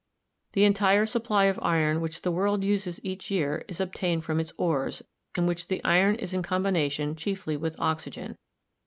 The entire sup ply of iron which the world uses each year is obtained from its ores, in which the iron is in combination chiefly with oxygen.